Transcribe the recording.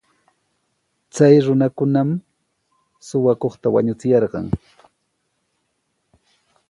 Chay runakunam suqakuqta wañuchirqan.